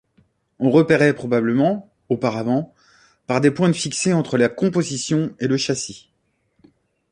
On repérait probablement, auparavant, par des pointes fixées entre la composition et le châssis.